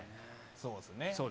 そうですね。